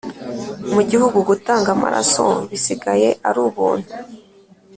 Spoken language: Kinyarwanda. mu gihugu gutanga amaraso bisigaye arubuntu